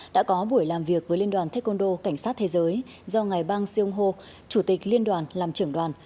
đã có buổi làm việc với liên đoàn taekwondo cảnh sát thế giới do ngài bang siêu hô chủ tịch liên đoàn làm trưởng đoàn